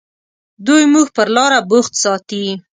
دوی موږ پر لاره بوخت ساتي.